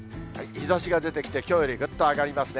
日ざしが出てきて、きょうよりぐっと上がりますね。